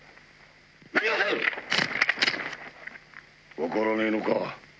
分からねえのか。